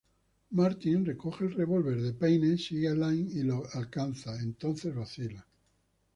Martins recoge el revólver de Paine, sigue a Lime y lo alcanza; entonces vacila.